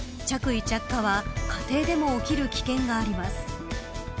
着衣着火は家庭でも起きる危険があります。